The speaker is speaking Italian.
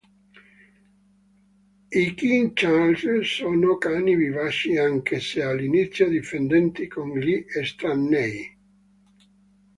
I King Charles sono cani vivaci, anche se all'inizio diffidenti con gli estranei.